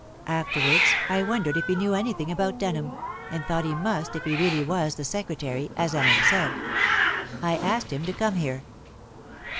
Afterwards I wondered if he knew anything about Denham, and thought he must if he really was the secretary, as Anne said. I asked him to come here."